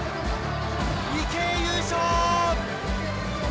池江、優勝！